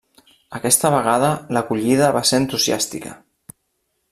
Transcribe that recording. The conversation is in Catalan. Aquesta vegada l'acollida va ser entusiàstica.